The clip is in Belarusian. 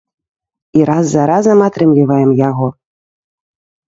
І раз за разам атрымліваем яго.